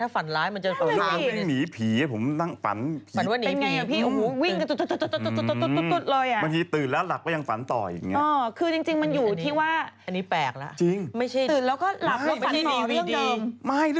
ไม่ยังไงนี่บอกว่าเราฝันมันเหนื่อยนะถ้าฝันร้ายมันจะ